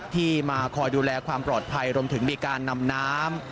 ที่มาคอยดูแลความปลอดภัยรวมถึงมีการนำน้ำ